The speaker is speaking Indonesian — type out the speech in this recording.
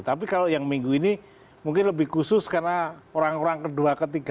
tapi kalau yang minggu ini mungkin lebih khusus karena orang orang kedua ketiga